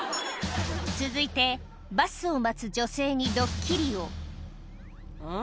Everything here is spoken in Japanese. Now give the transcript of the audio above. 続いてバスを待つ女性にドッキリをうん？